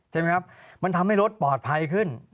ใช่ไหมครับมันทำให้รถปลอดภัยขึ้น